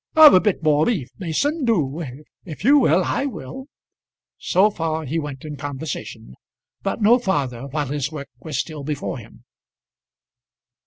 "Have a bit more beef, Mason; do. If you will, I will." So far he went in conversation, but no farther while his work was still before him.